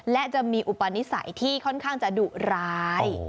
และจะมีอุปนิสัยที่ค่อนข้างจะดุร้าย